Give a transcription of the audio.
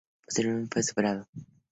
Posteriormente fue superado.